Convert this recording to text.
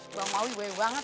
bang maui baik banget